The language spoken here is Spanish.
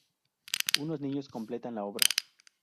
Unos niños completan la obra.